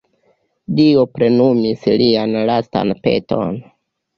Dio plenumis lian lastan peton.